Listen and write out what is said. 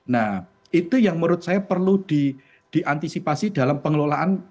nah itu yang menurut saya perlu diantisipasi dalam pengelolaan